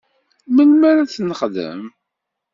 Melmi ara ad t-nexdem?